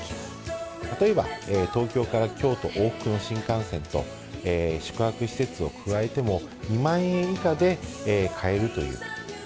例えば、東京から京都往復の新幹線と、宿泊施設を加えても、２万円以下で買えるという。